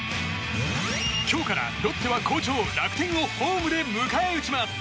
今日からロッテは好調・楽天をホームで迎え撃ちます。